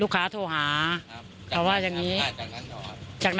จะทำแบบประโยชน์